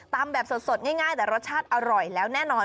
แบบสดง่ายแต่รสชาติอร่อยแล้วแน่นอน